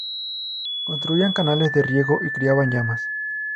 Construían canales de riego y criaban llamas.